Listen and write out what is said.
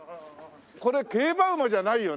これ競馬馬じゃないよね？